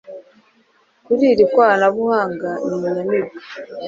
kuri iri koranabuhanga ni inyamibwa.